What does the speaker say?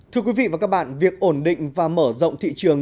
thưa quý vị và các bạn việc ổn định và mở rộng thị trường